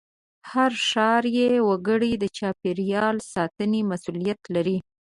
هر ښاري وګړی د چاپېریال ساتنې مسوولیت لري.